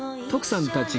徳さん。